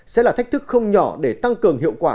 sẽ là thách thức không nhỏ để tăng cường hiệu quả